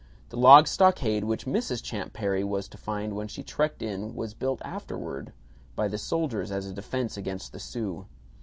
The log stockade which Mrs. Champ Perry was to find when she trekked in was built afterward by the soldiers as a defense against the Sioux.